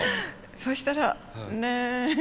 そしたらね。